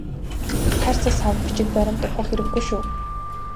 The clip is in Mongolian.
Хайрцаг сав бичиг баримт ухах хэрэггүй шүү.